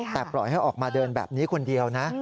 แต่ปล่อยให้ออกมาเดินแบบนี้คนเดียวนะ